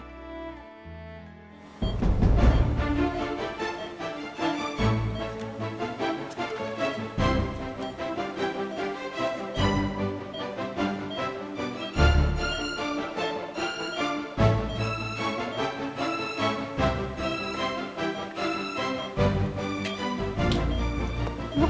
roman sigi brand